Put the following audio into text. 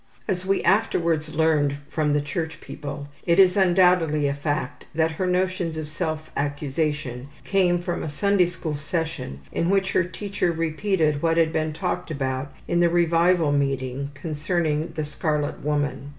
As we afterwards learned from the church people, it is undoubtedly a fact that her notions of self accusation came from a Sunday School session in which her teacher repeated what had been talked about in the revival meeting concerning the scarlet woman.